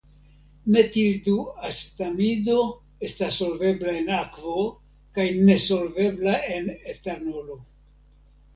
Metilduacetamido estas solvebla en akvo kaj nesolvebla en etanolo.